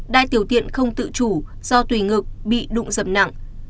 đại tiểu tiện không tự chủ do tùy ngược bị đụng dầm nặng